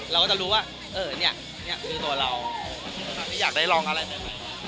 เราก็จะรู้ว่าเออเนี้ยเนี้ยคือตัวเราอยากได้ลองอะไร